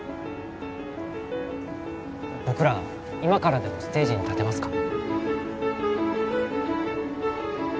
僕ら今からでもステージに立てますか？